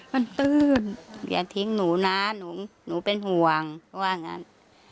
มันตื้นอย่าทิ้งหนูนะหนูเป็นห่วงเพราะว่างั้น